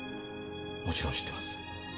もちろん知ってます。